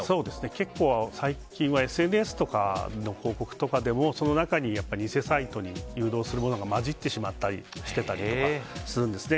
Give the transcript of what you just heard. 結構最近はＳＮＳとかの報告とかでもその中に偽サイトに誘導するものが混じってたりとかするんですね。